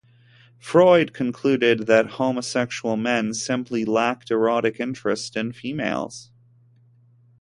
Freund concluded that homosexual men simply lacked erotic interest in females.